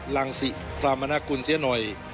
รังสิพรามนากุลเสียหน่อย